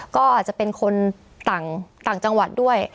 ก็อาจจะเป็นคนต่างจังหวัดด้วย